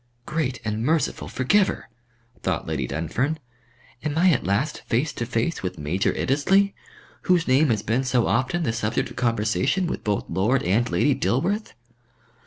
"Great and Merciful Forgiver!" thought Lady Dunfern, "am I at last face to face with Major Iddesleigh, whose name has been so often the subject of conversation with both Lord and Lady Dilworth?"